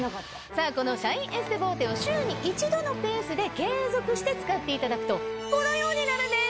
さぁこのシャインエステボーテを週に１度のペースで継続して使っていただくとこのようになるんです。